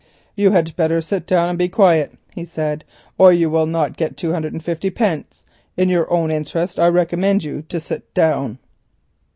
"You had better sit down and be quiet," he said, "or you will not get two hundred and fifty pence. In your own interest I recommend you to sit down."